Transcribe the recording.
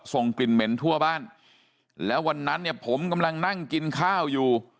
ส่งกลิ่นเหม็นทั่วบ้านแล้ววันนั้นเนี่ยผมกำลังนั่งกินข้าวอยู่